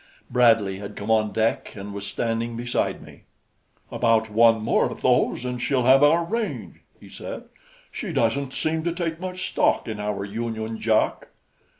Bradley had come on deck and was standing beside me. "About one more of those, and she'll have our range," he said. "She doesn't seem to take much stock in our Union Jack."